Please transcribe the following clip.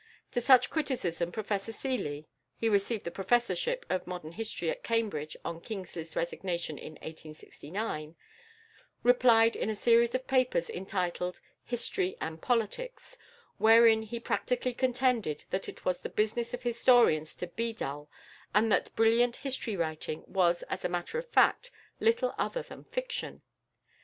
To such criticism Professor Seeley he received the professorship of modern history at Cambridge on Kingsley's resignation in 1869 replied in a series of papers entitled "History and Politics," wherein he practically contended that it was the business of historians to be dull, and that brilliant history writing was, as a matter of fact, little other than fiction.